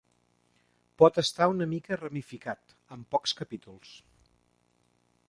Pot estar una mica ramificat, amb pocs capítols.